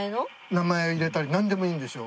名前入れたりなんでもいいんですよ。